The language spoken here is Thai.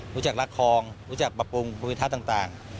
รู้จักรักคลองรู้จักปรับปรุงภูมิทัศน์ต่าง